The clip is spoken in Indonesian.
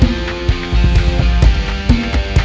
dan tambahan collar wijo